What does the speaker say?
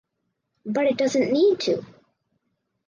But it doesn’t need to.